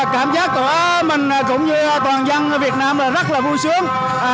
cảm giác của mình cũng như toàn dân việt nam rất là vui sướng